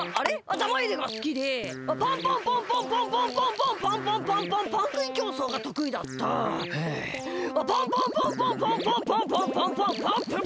玉入れがすきでパンパンパンパンパンパンパンパンパンパンパンパンパン食い競走がとくいだったはあパンパンパンパンパンパンパンパンパンパンパンパン。